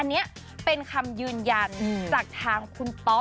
อันนี้เป็นคำยืนยันจากทางคุณป๊อป